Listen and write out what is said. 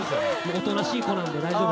おとなしい子なんで大丈夫です。